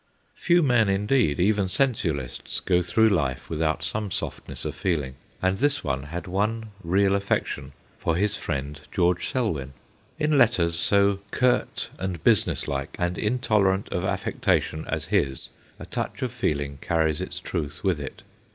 Few men indeed, even sensualists, go through life without some softness of feel ing, and this one had one real affection for his friend George Selwyn. In letters so curt and business like and intolerant of affectation as his, a touch of feeling carries its truth with it.